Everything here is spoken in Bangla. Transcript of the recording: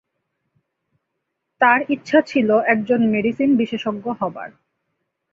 তার ইচ্ছা ছিল একজন মেডিসিন বিশেষজ্ঞ হবার।